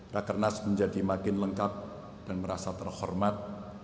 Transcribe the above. rakyat kernas menjadi makin lengkap dan merasa terhormat